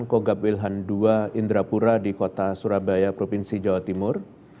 kogab wilhan ii indrapura di kota surabaya provinsi jawa timur